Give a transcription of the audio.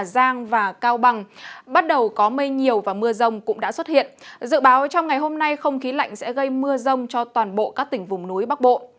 dự báo trong ngày hôm nay không khí lạnh sẽ gây mưa rông cho toàn bộ các tỉnh vùng núi bắc bộ